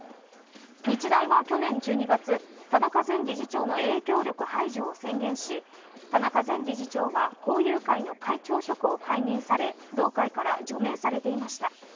日大は去年１２月田中前理事長の影響力排除を宣言し田中前理事長は校友会の会長職を解任され同会から除名されていました。